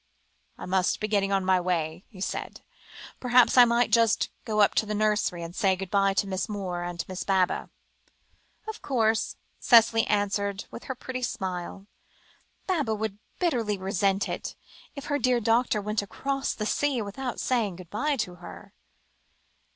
"I must be getting on my way," he said; "perhaps I might just go up to the nursery, to say good bye to Miss Moore and Miss Baba?" "Of course," Cicely answered with her pretty smile. "Baba would bitterly resent it, if her dear doctor went across the sea, without saying good bye to her."